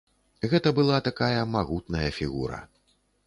Гэта была такая магутная фігура.